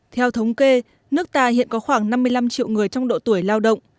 theo thống kê nước ta hiện có khoảng năm mươi năm triệu người trong độ tuổi lao động